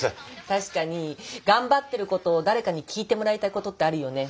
確かに頑張ってることを誰かに聞いてもらいたいことってあるよね。